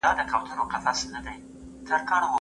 زه اوږده وخت ښوونځی ته ځم؟!